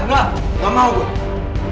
enggak gak mau gue